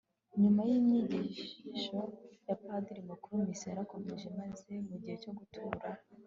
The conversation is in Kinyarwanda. nyuma y'inyigisho ya padiri mukuru, missa yarakomeje maze mu gihe cyo gutura